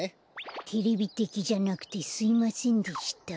テレビてきじゃなくてすいませんでした。